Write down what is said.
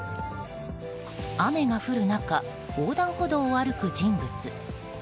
雨が降る中横断歩道を歩く人物。